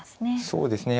そうですね